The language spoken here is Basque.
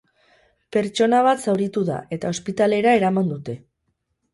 Pertsona bat zauritu da, eta ospitalera eraman dute.